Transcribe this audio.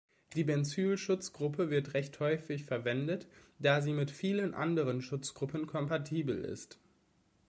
Die Benzyl-Schutzgruppe wird recht häufig verwendet, da sie mit vielen anderen Schutzgruppen kompatibel ist.